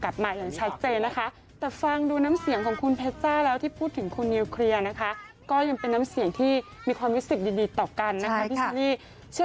เราคงได้ติดตามความเคลื่อนไหวต่าง